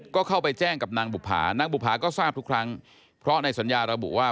ก็เข้าไปแจ้งกับนางบุภานางบุภาก็ทราบทุกครั้งเพราะในสัญญาระบุว่า